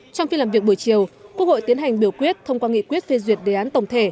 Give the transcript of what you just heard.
trong phiên làm việc buổi chiều quốc hội tiến hành biểu quyết thông qua nghị quyết phê duyệt đề án tổng thể